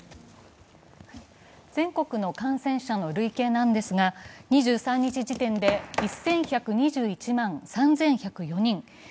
全国の感染者の累計なんですが２３日時点で１１２１万３１０４人。